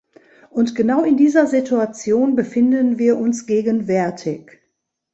Und genau in dieser Situation befinden wir uns gegenwärtig.